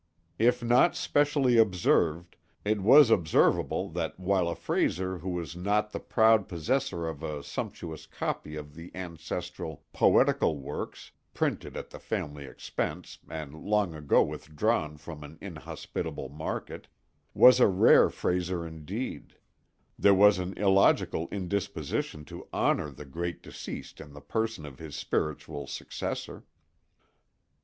If not specially observed, it was observable that while a Frayser who was not the proud possessor of a sumptuous copy of the ancestral "poetical works" (printed at the family expense, and long ago withdrawn from an inhospitable market) was a rare Frayser indeed, there was an illogical indisposition to honor the great deceased in the person of his spiritual successor.